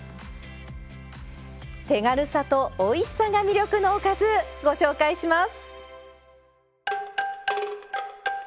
手軽さとおいしさが魅力のおかずご紹介します。